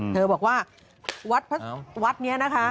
เธอบอกว่าวัดนี้นะคะ